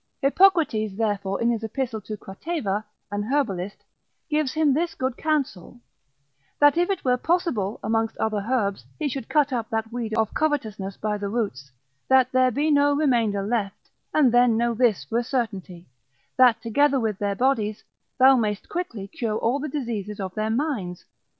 Hippocrates therefore in his Epistle to Crateva, an herbalist, gives him this good counsel, that if it were possible, amongst other herbs, he should cut up that weed of covetousness by the roots, that there be no remainder left, and then know this for a certainty, that together with their bodies, thou mayst quickly cure all the diseases of their minds.